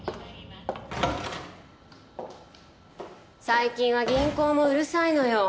最近は銀行もうるさいのよ。